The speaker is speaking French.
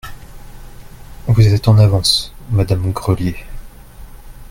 Vous êtes en avance, madame Grelier.